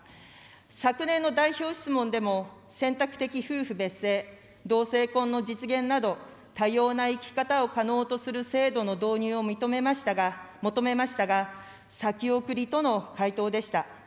昨年の代表質問でも選択的夫婦別姓、同性婚の実現など、多様な生き方を可能とする制度の導入を認めましたが、求めましたが、先送りとの回答でした。